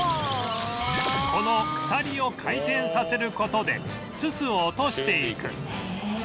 この鎖を回転させる事でススを落としていく